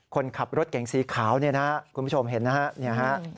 คนขับรถเก่งสีขาวเนี่ยนะคุณผู้ชมเห็นนะฮะ